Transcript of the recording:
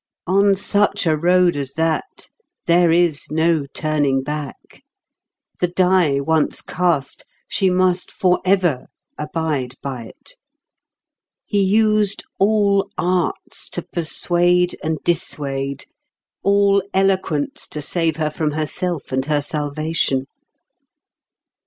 On such a road as that there is no turning back. The die once cast, she must forever abide by it. He used all arts to persuade and dissuade; all eloquence to save her from herself and her salvation.